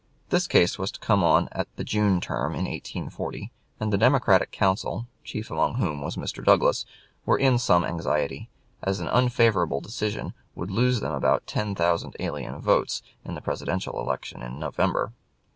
This case was to come on at the June term in 1840, and the Democratic counsel, chief among whom was Mr. Douglas, were in some anxiety, as an unfavorable decision would lose them about ten thousand alien votes in the Presidential election in November.